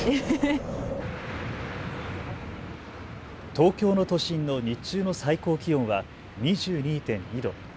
東京の都心の日中の最高気温は２２．２度。